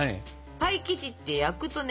パイ生地って焼くとね